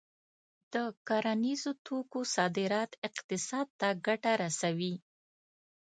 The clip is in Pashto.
د کرنیزو توکو صادرات اقتصاد ته ګټه رسوي.